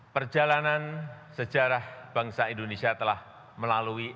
perjalanan sejarah bangsa indonesia telah melalui